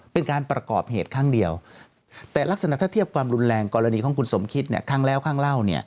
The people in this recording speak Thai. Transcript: เป็นการประกอบเหตุครั้งเดียวแต่ลักษณะถ้าเทียบความรุนแรงกรณีของคุณสมคิดครั้งแล้วข้างเล่า